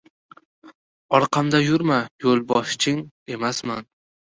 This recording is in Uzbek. Orqamda yurma, yo‘lboshching emasman.